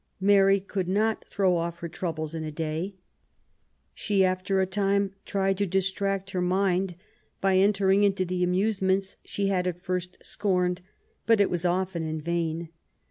Mary could not throw ofif her troubles in a day. She after a time tried to distract her mind by entering into the amusements she had at first scorned, but it was often in vain.